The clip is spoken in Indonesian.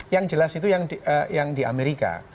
yang jelas itu yang di amerika